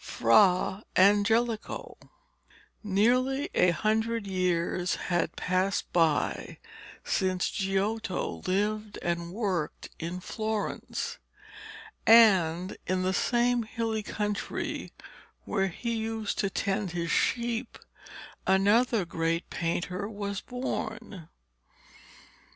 FRA ANGELICO Nearly a hundred years had passed by since Giotto lived and worked in Florence, and in the same hilly country where he used to tend his sheep another great painter was born.